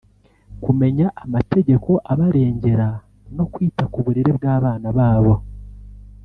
kumenya amategeko abarengera no kwita ku burere bw’abana babo